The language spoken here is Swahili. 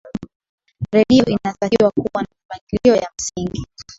redio inatakiwa kuwa na mipangilio ya msingi